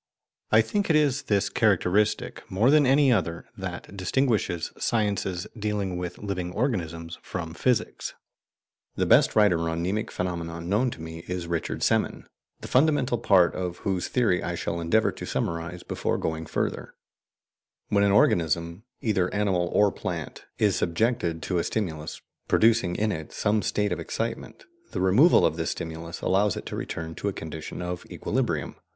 I think it is this characteristic, more than any other, that distinguishes sciences dealing with living organisms from physics. The best writer on mnemic phenomena known to me is Richard Semon, the fundamental part of whose theory I shall endeavour to summarize before going further: When an organism, either animal or plant, is subjected to a stimulus, producing in it some state of excitement, the removal of the stimulus allows it to return to a condition of equilibrium.